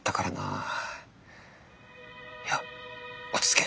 いや落ち着け。